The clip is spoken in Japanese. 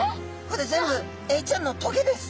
これ全部エイちゃんのトゲです。